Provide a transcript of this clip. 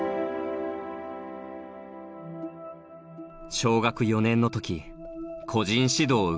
小学４年の時個人指導を受け始める。